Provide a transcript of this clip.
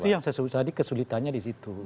itu yang saya sebut tadi kesulitannya disitu